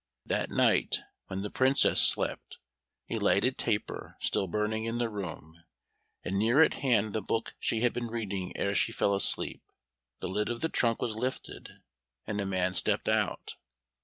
That night, when the Princess slept, a lighted taper still burning in the room, and near at hand the book she had been reading ere she fell asleep, the lid of the trunk was lifted, and a man stepped out.